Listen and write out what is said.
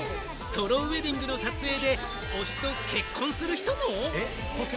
ソロウエディングの撮影で推しと結婚する人も？